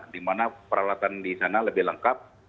di mana peralatan di sana lebih lengkap